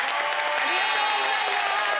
ありがとうございます！